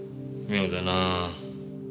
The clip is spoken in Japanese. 妙だなあ。